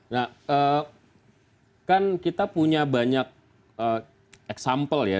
nah kan kita punya banyak example ya